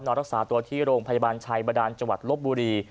รักษาตัวที่โรงพยาบาลชัยบาดานจังหวัดลบบุรี